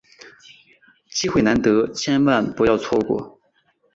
机会难得，千万不要错过！